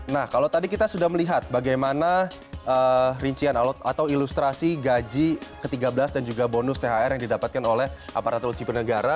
nah kalau tadi kita sudah melihat bagaimana rincian atau ilustrasi gaji ke tiga belas dan juga bonus thr yang didapatkan oleh aparatur sipil negara